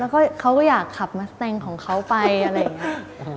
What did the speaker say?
แล้วก็เขาก็อยากขับมัสเต็งของเขาไปอะไรอย่างนี้